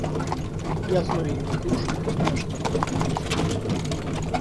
Я знаю его душу и знаю, что мы похожи с ним.